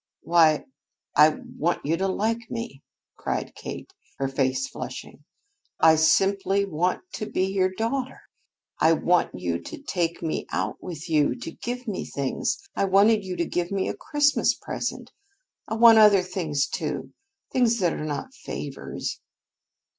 "Why, I want you to like me," cried Kate, her face flushing. "I simply want to be your daughter. I want you to take me out with you, to give me things. I wanted you to give me a Christmas present. I want other things, too, things that are not favors."